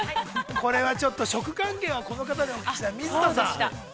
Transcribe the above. これはちょっと、食関係はこの方に、お聞きしたい、水田さん。